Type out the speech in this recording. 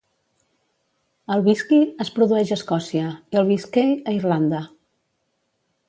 El whisky es produeix a Escòcia i el whiskey, a Irlanda.